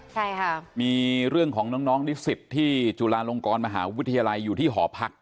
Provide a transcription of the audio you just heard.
ใช่ค่ะมีเรื่องของน้องนิสิตที่จุฬาลงกรมหาวิทยาลัยอยู่ที่หอพัก